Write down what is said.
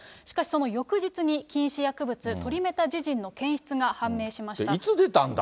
しかしその翌日に禁止薬物、トリメタジジンの検出が判明しました。